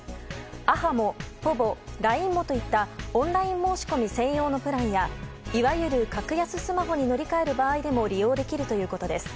ａｈａｍｏ、ｐｏｖｏＬＩＮＥＭＯといったオンライン申し込み専用のプランやいわゆる格安スマホに乗り換える場合でも利用できるということです。